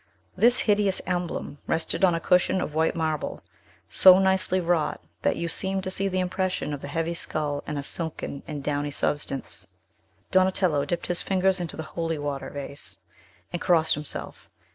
This hideous emblem rested on a cushion of white marble, so nicely wrought that you seemed to see the impression of the heavy skull in a silken and downy substance. Donatello dipped his fingers into the holy water vase, and crossed himself.